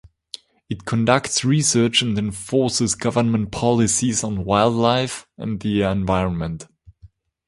It conducts research and enforces government policies on wildlife and the environment.